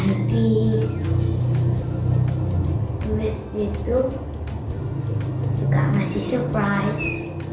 nanti ibu istri itu suka masih surprise